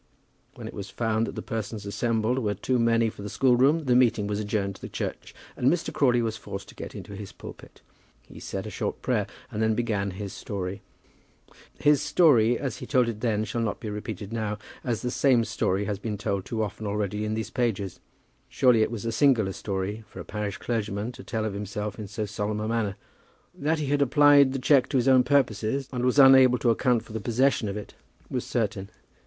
When it was found that the persons assembled were too many for the school room, the meeting was adjourned to the church, and Mr. Crawley was forced to get into his pulpit. He said a short prayer, and then he began his story. [Illustration: "They will come to hear a ruined man declare his own ruin."] His story as he told it then shall not be repeated now, as the same story has been told too often already in these pages. Surely it was a singular story for a parish clergyman to tell of himself in so solemn a manner. That he had applied the cheque to his own purposes, and was unable to account for the possession of it, was certain.